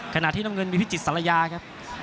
ขณะที่น้ำเงินมีพิจิตรสารยาครับ